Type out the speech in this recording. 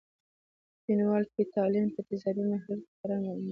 فینول فتالین په تیزابي محلول کې په رنګ معلومیږي.